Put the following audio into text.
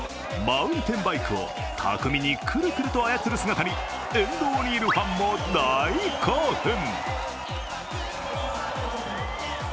マウンテンバイクを巧みにくるくると操る姿に沿道にいるファンも大興奮。